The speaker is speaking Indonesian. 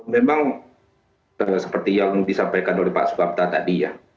memang seperti yang disampaikan oleh pak sukapta tadi ya